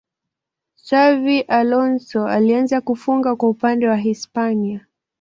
xavi alonso alianza kufunga kwa upande wa hispania